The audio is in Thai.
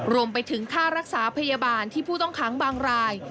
รวมไปถึงค่ารักษาพยาบาลที่ผู้ต้องค้างบางราย